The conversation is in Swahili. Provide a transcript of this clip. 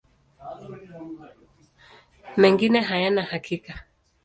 Mengine hayana hakika.